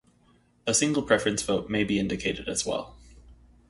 A single preference vote may be indicated as well.